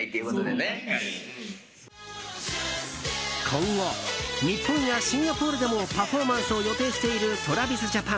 今後、日本やシンガポールでもパフォーマンスを予定しているＴｒａｖｉｓＪａｐａｎ。